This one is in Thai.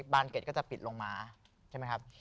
บางเกดก็จะปิดลงมา